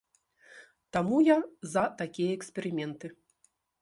Таму я за такія эксперыменты!